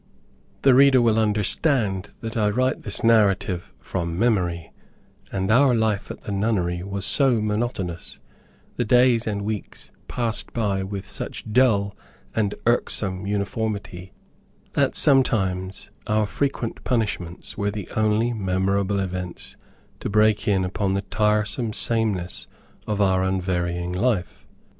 The reader will understand that I write this narrative from memory, and our life at the nunnery was so monotonous, the days and weeks passed by with such dull, and irksome uniformity, that sometimes our frequent punishments were the only memorable events to break in upon the tiresome sameness of our unvarying life.